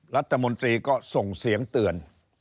รัฐมนตรีก็ส่งเสียงเตือน